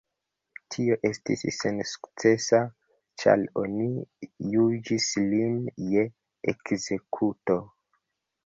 Tio estis sensukcesa, ĉar oni juĝis lin je ekzekuto.